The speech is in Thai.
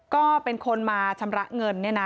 ก็เป็นคนมาชำระเงินเนี่ยนะ